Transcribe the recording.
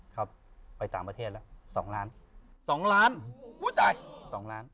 ครับไปต่างประเทศแล้วสองล้านสองล้านอุ้ยตายสองล้าน